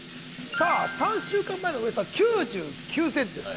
さあ３週間前のウエストは９９ｃｍです